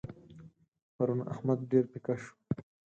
پرون احمد ډېر پيکه شو.